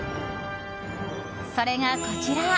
それが、こちら。